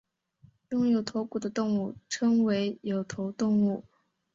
拥有头骨的动物称为有头动物。